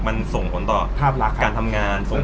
มันส่งต่อการทำงาน